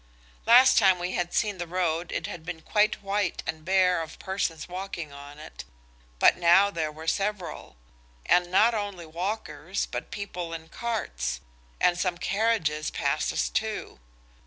Last time we had seen the road it had been quite white and bare of persons walking on it, but now there were several. And not only walkers, but people in carts. And some carriages passed us too.